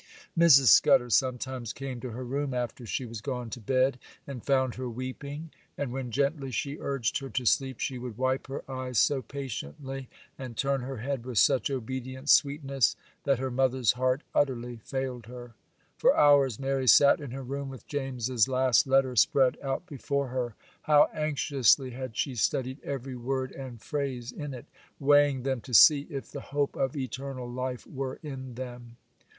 Mrs. Scudder sometimes came to her room after she was gone to bed, and found her weeping; and when gently she urged her to sleep, she would wipe her eyes so patiently and turn her head with such obedient sweetness, that her mother's heart utterly failed her. For hours Mary sat in her room with James's last letter spread out before her. How anxiously had she studied every word and phrase in it, weighing them to see if the hope of eternal life were in them!